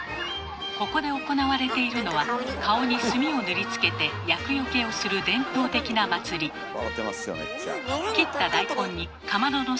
ここで行われているのは顔に炭を塗りつけて厄よけをする伝統的な祭り。笑てますよ